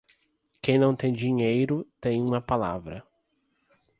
Quem não tem dinheiro, tem uma palavra.